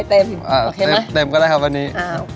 ต้องเต็มก็ได้ครับอันนี้